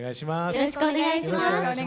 よろしくお願いします。